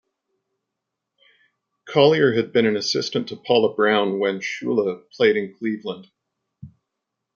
Collier had been an assistant to Paul Brown when Shula played in Cleveland.